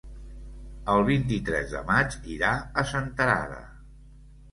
El vint-i-tres de maig irà a Senterada.